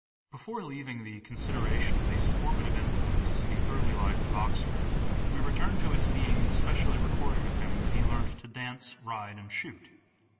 Before leaving the consideration of these formative Dancing, influences in the early life of Oxford, we return to its being specially recorded of him that he learnt to " dance, ride and shoot."